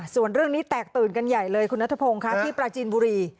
ส่วนเรื่องนี้แตกตื่นกันใหญ่เลยคุณนัทพงศ์ค่ะที่ปราจีนบุรี